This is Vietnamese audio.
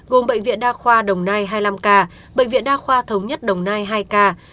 gồm bệnh viện đa khoa đồng nai hai mươi năm ca bệnh viện đa khoa thống nhất đồng nai hai ca